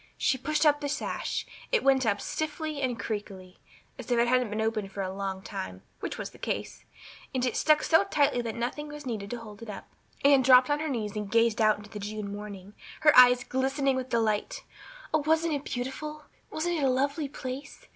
She pushed up the sash it went up stiffly and creakily, as if it hadn't been opened for a long time, which was the case; and it stuck so tight that nothing was needed to hold it up. Anne dropped on her knees and gazed out into the June morning, her eyes glistening with delight. Oh, wasn't it beautiful? Wasn't it a lovely place?